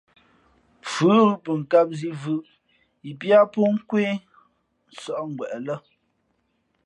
Fʉ ghʉ pαkām zī vʉ̄ʼʉ yi piá pō nkwé nsᾱʼ ngweʼ lά.